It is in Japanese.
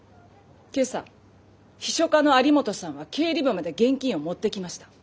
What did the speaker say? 今朝秘書課の有本さんは経理部まで現金を持ってきました。